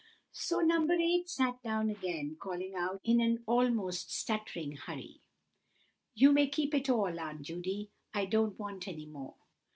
So No. 8 sat down again, calling out, in an almost stuttering hurry, "You may keep it all, Aunt Judy, I don't want any more."